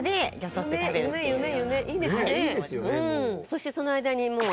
そしてその間にもう。